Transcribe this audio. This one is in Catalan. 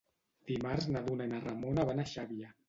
Dimarts na Duna i na Ramona van a Xàbia.